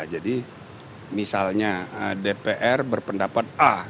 jadi misalnya dpr berpendapat a